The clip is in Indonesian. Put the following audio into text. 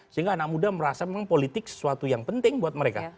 sehingga anak muda merasa memang politik sesuatu yang penting buat mereka